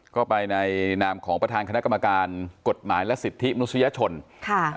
ก็ไปในนามของประธานคณะกรรมการกฎหมายและสิทธิมนุษยชนค่ะ